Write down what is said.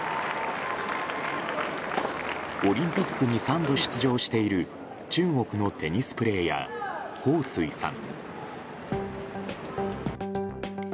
オリンピックに３度出場している中国のテニスプレーヤーホウ・スイさん。